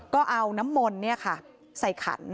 ก็เอาน้ำมนต์ใส่ขัน